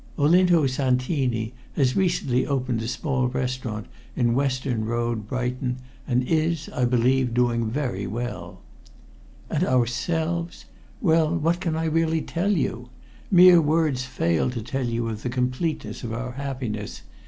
Olinto Santini has recently opened a small restaurant in Western Road, Brighton, and is, I believe, doing very well. And ourselves! Well, what can I really tell you? Mere words fail to tell you of the completeness of our happiness.